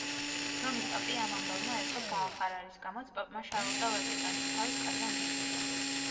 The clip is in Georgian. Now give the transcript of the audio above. რომის პაპი ამ ამბავმა ერთობ გაახარა, რის გამოც პაპმა შარლოტა ვატიკანში, თავის კარზე მიიწვია.